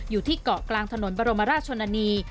อยู่ที่เกาะกลางถนนบรมราชชนนานี